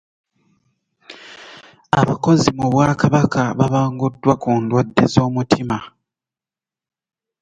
Abakozi mu bwakabaka babanguddwa ku ndwadde z'omutima.